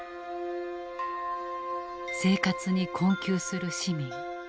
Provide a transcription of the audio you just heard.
生活に困窮する市民。